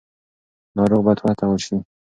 ناروغ باید وهڅول شي.